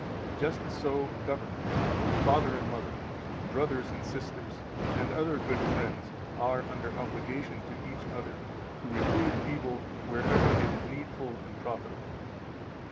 Just so governments, father and mother, brothers and sisters, and other good friends, are under obligation to each other to reprove evil wherever it is needful and profitable.